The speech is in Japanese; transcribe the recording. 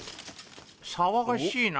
騒がしいな。